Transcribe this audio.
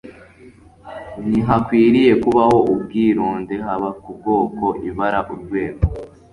Ntihakwiriye kubaho ubwironde haba ku bwoko, ibara, urwego.